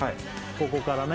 ここからね